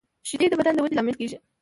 شیدې د بدن د ودې لامل کېږي